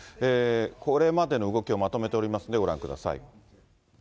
これまでの動きをまとめておりますので、ご覧ください。